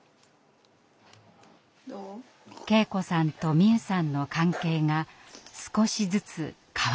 圭子さんと美夢さんの関係が少しずつ変わってきました。